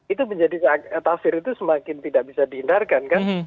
itu menjadi tafsir itu semakin tidak bisa dihindarkan kan